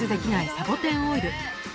サボテンオイル